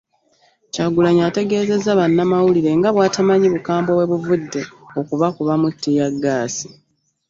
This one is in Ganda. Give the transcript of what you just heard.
Kyagulanyi ategeezezza bannamawulire nga bw'atamanyi bukambwe webuvudde okubakubamu ttiiyaggaasi